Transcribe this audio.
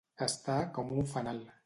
Estar com un fanal.